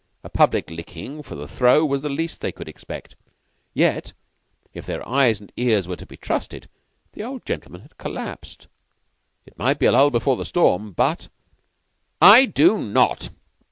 A public licking for the three was the least they could expect. Yet if their eyes and ears were to be trusted the old gentleman had collapsed. It might be a lull before the storm, but "I do not."